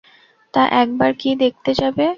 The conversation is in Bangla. তা একবার কি দেখতে যাবে?